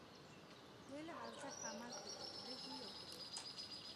د علم ارزښت په عمل کې دی، لږ وي او که ډېر.